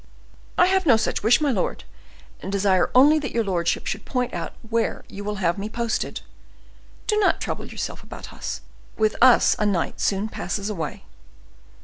"I have no such wish, my lord, and desire only that your lordship should point out where you will have me posted. Do not trouble yourself about us—with us a night soon passes away."